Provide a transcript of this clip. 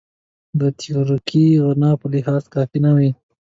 د تیوریکي غنا په لحاظ کافي نه وي.